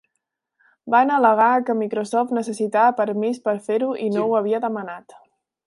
Van al·legar que Microsoft necessitava permís per a fer-ho i no ho havia demanat.